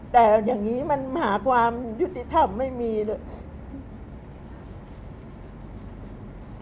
แต่อย่างนี้มันหาความยุติธรรมไม่มีเลย